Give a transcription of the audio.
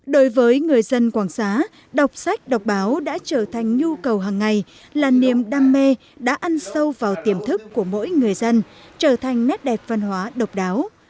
đối với người dân quảng xá đọc sách đọc báo đã trở thành nhu cầu hàng ngày là niềm đam mê đã ăn sâu vào tiềm thức của mỗi người dân trở thành nét đẹp văn hóa độc đáo